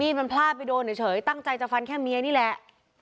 มันพลาดไปโดนเฉยตั้งใจจะฟันแค่เมียนี่แหละ